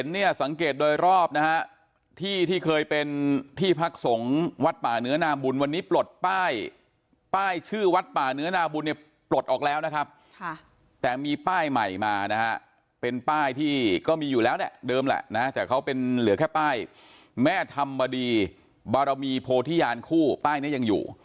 นี่คือติ๊ะนะฮะใส่เสื้อให้แบบแหม่เข้ากับสภาพพื้นที่หน่อย